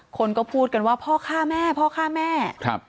คนก็พูดกันว่าพ่อฆ่าแม่พ่อฆ่าแม่